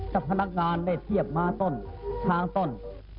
พนักงานได้เทียบม้าต้นทางต้น